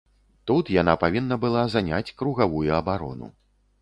Тут яна павінна была заняць кругавую абарону.